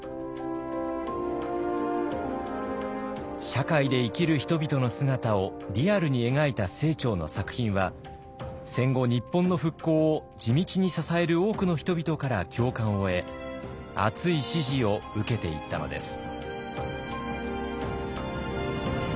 社会で生きる人々の姿をリアルに描いた清張の作品は戦後日本の復興を地道に支える多くの人々から共感を得熱い支持を受けていったのです。